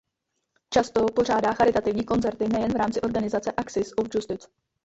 Často pořádá charitativní koncerty nejen v rámci organizace Axis of Justice.